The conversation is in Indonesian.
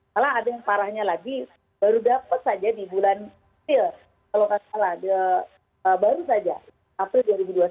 malah ada yang parahnya lagi baru dapat saja di bulan april dua ribu dua puluh satu